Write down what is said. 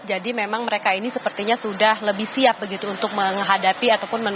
jadi memang mereka ini sepertinya sudah lebih siap begitu untuk menghadapi ataupun menolong